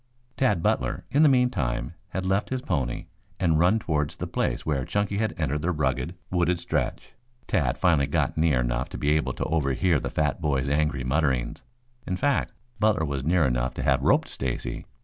Tad Butler, in the meantime, had left his pony and run towards the place where Chunky had entered the rugged, wooded stretch. Tad finally got near enough to be able to overhear the fat boy's angry mutterings. In fact, Butler was near enough to have roped Stacy.